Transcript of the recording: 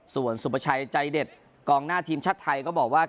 ส่วนสุประชัยใจเด็ดกองหน้าทีมชาติไทยก็บอกว่า